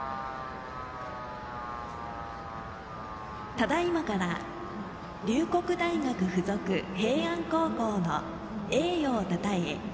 ただいまから龍谷大学付属平安高校の栄誉をたたえ